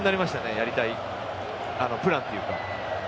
やりたいプランというか。